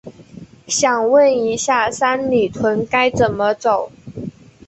想问一下，三里屯该怎么走？